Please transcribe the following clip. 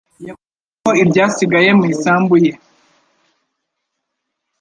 Yakuyeho ibyasigaye mu isambu ye.